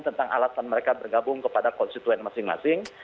tentang alasan mereka bergabung kepada konstituen masing masing